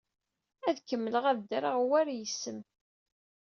Ad kemmleɣ ad ddreɣ war yes-m.